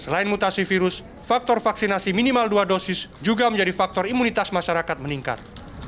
selain mutasi virus faktor vaksinasi minimal dua dosis juga menjadi faktor imunitas masyarakat meningkat